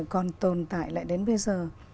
còn tồn tại lại đến bây giờ